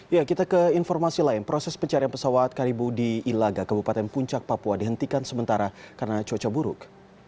ya kita ke informasi lain proses pencarian pesawat karibu di ilaga kabupaten puncak papua dihentikan sementara karena cuaca buruk